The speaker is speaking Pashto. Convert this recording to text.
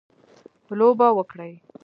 لوبه وکړي.